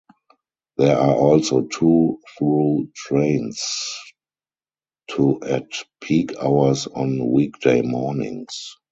There are also two through trains to at peak hours on weekday mornings.